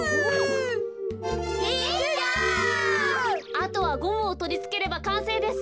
あとはゴムをとりつければかんせいです。